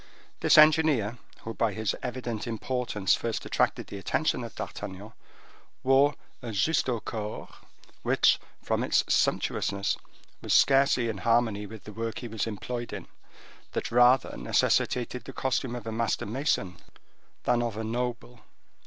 This engineer, who by his evident importance first attracted the attention of D'Artagnan, wore a justaucorps, which, from its sumptuousness, was scarcely in harmony with the work he was employed in, that rather necessitated the costume of a master mason than of a noble.